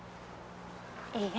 いいえ。